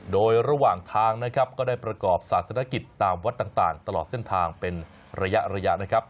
โดยระหว่างทางนะครับก็ได้ประกอบศาสนกิจตามวัดต่างตลอดเส้นทางเป็นระยะนะครับ